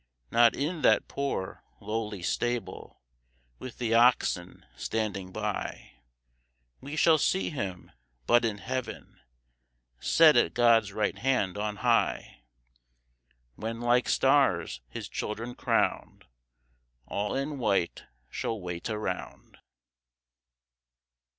Not in that poor lowly stable, With the oxen standing by, We shall see Him; but in Heaven, Set at God's right hand on high; When like stars His children crowned, All in white shall wait around.